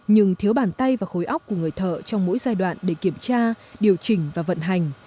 nhưng thiếu bàn tay và khối óc của người thợ trong mỗi giai đoạn để kiểm tra điều chỉnh và vận hành